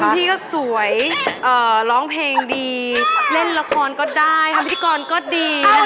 พี่ก็สวยร้องเพลงดีเล่นละครก็ได้ทำพิธีกรก็ดี